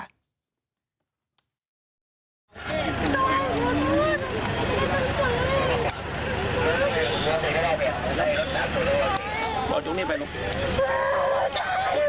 อ้าวตายแล้วตายแล้ว